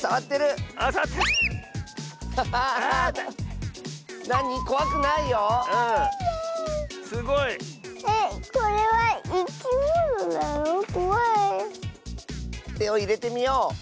てをいれてみよう。